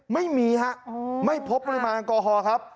ไม่มีฮะไม่พบปริมาณแอลกอฮอล์ครับ